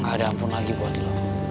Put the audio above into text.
gak ada ampun lagi buat lo